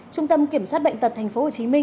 trung tâm kiểm soát bệnh tật tp hcm